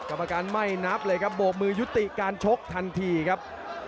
กรรมการไม่นับเลยครับโบกมือยุติการชกทันทีครับ